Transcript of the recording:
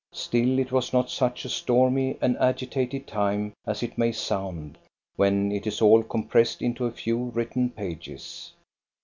Still it was not such a stormy and agitated time as it may sound when it is all compressed into a few written pages.